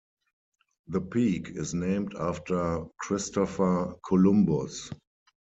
The peak is named after Christopher Columbus.